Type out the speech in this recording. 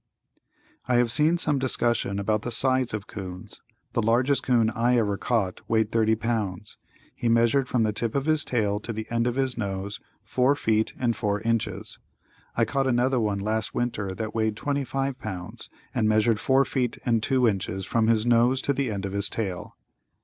I have seen some discussion about the size of 'coons. The largest 'coon I ever caught weighed 30 pounds. He measured from the tip of his tail to the end of his nose, 4 feet and 4 inches. I caught another one last winter that weighed 25 pounds and measured four feet and 2 inches from his nose to the end of his tail.